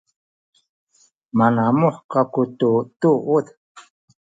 manamuh kaku tu tunuz